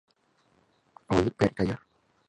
Oír, ver y callar